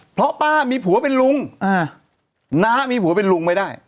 เพราะป้ามีผัวเป็นลุงน้ามีผัวเป็นลุงไม่ได้